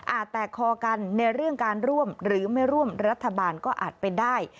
แตกคอกันในเรื่องการร่วมหรือไม่ร่วมรัฐบาลก็อาจเป็นได้